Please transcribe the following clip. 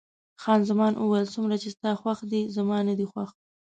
خان زمان وویل: څومره چې ستا خوښ دی، زما نه دی خوښ.